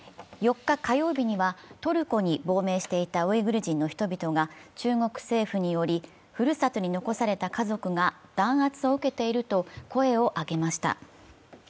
４日、火曜日にはトルコに亡命していたウイグル人の家族が中国政府によりふるさとに残された家族が弾圧を受けていると声を上げました。